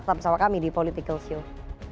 tetap bersama kami di politikalshow